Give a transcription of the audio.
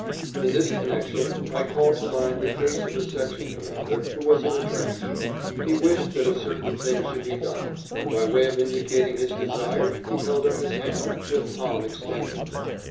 In this connection, I call to mind the case of a section commander who was in a trench. He wished that a certain thing should be done, and by way of indicating his desire he held up his hand, with palm extended.